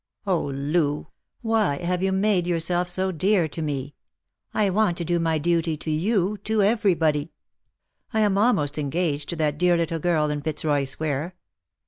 Oh, Loo, why have you made yourself so dear to me ? I want to do my duty to you, to everybody. I am almost engaged to that dear little girl in Fitzroy square.